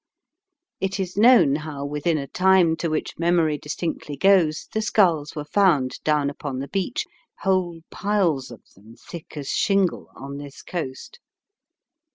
It is known how within a time to which memory distinctly goes the skulls were found down upon the beach, whole piles of them, thick as shingle on this coast.